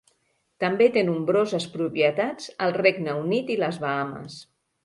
També té nombroses propietats al Regne Unit i les Bahames.